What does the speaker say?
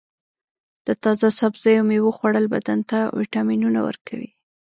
د تازه سبزیو او میوو خوړل بدن ته وټامینونه ورکوي.